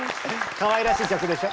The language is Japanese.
かわいらしい曲でしょ？